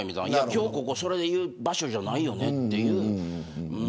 今日ここそれ言う場所じゃないよねって。